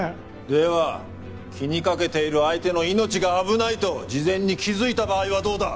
では気にかけている相手の命が危ないと事前に気づいた場合はどうだ？